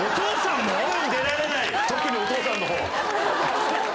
特にお父さんのほう？